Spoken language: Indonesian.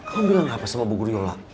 kamu bilang apa sama bu guru yola